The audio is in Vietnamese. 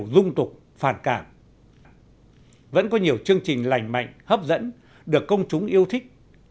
vẫn có nhiều chương trình lành mạnh hấp dẫn được công chúng yêu thích